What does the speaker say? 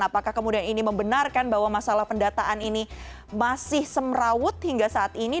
apakah kemudian ini membenarkan bahwa masalah pendataan ini masih semrawut hingga saat ini